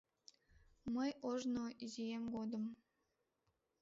Мый ожно изиэм годым